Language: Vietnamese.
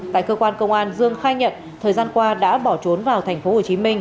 tại cơ quan công an dương khai nhận thời gian qua đã bỏ trốn vào tp hcm